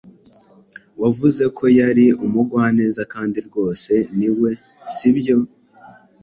Wavuze ko yari umugwaneza kandi rwose ni we, si byo?